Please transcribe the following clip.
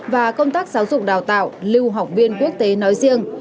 và công tác giáo dục đào tạo lưu học viên quốc tế nói riêng